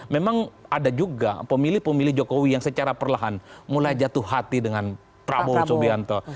memang ada juga pemilih pemilih jokowi yang secara perlahan mulai jatuh hati dengan prabowo subianto